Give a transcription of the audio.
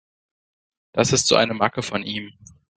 Das ist so eine Macke von ihm.